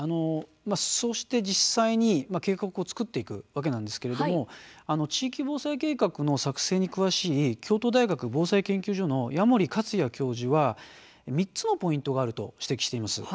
そして実際に計画を作っていくわけなんですけれども地域防災計画の作成に詳しい京都大学防災研究所の矢守克也教授は３つのポイントがあると指摘しています。